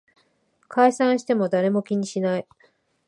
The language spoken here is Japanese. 解散しても誰も気にしない